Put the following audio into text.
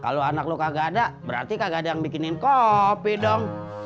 kalau anak luka gak ada berarti kagak ada yang bikinin kopi dong